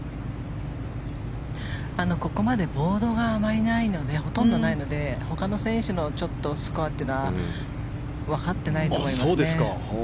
ここまでボードがほとんどないのでほかの選手のスコアというのはわかってないと思いますね。